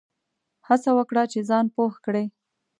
هڅه وکړه چي ځان پوه کړې !